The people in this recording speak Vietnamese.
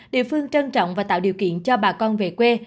địa phương trân trọng và tạo điều kiện cho bà con về quê